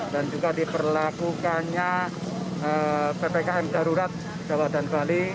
dan juga diperlakukannya ppkm darurat jawa dan bali